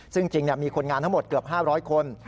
ซึ่งจริงมีคนงานทั้งหมดเกือบ๕๐๐คน